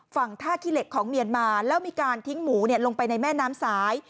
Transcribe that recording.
ฝั่งท่าขี้เหล็กของเมียนมาแล้วมีการทิ้งหมูลงไปในแม่น้ำสาย